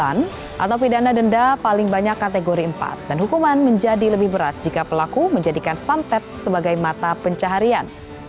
dan juga karena perbuatannya dapat menjadikan pelaku santet sebagai mata pencaharian